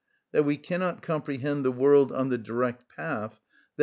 That we cannot comprehend the world on the direct path, _i.